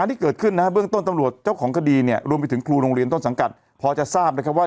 นี่ดูนี่ฮะ